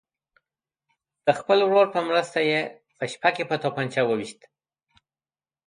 د خپل ورور په مرسته یې په شپه کې په توپنچه ویشت.